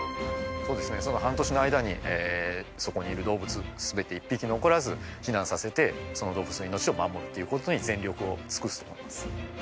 そうですねその半年の間にそこにいる動物全て１匹残らず避難させてその動物の命を守るということに全力を尽くすと思います